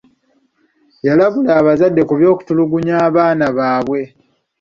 Yalabula abazadde ku ky'okutulugunya abaana baabwe.